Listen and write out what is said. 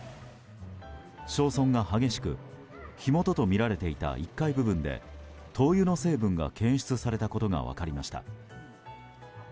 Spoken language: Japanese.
焼損が激しく火元とみられていた１階部分で灯油の成分が検出されたことが分かりました。